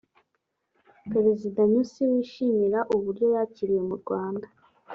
Perezida Nyusi wishimira uburyo yakiriwe mu Rwanda